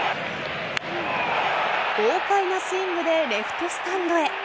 豪快なスイングでレフトスタンドへ。